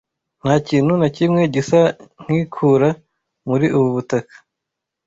Nta kintu na kimwe gisa nkikura muri ubu butaka.